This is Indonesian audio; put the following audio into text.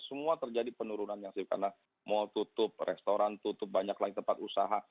semua terjadi penurunan yang karena mal tutup restoran tutup banyak lagi tempat usaha